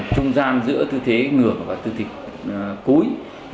trung gian giữa tư thế ngửa và tư thế cúi